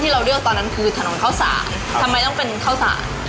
เราเลือกตอนนั้นคือถนนข้าวสารทำไมต้องเป็นข้าวสาร